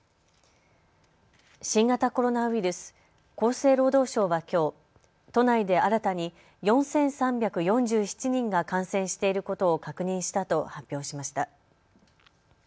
新型コロナウイルス、厚生労働省はきょう都内で新たに４３４７人が感染していることを確認したと発表しました。